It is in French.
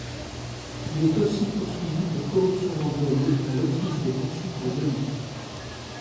Il est aussi poursuivi pour corruption d'employés à l'Office des poursuites de Genève.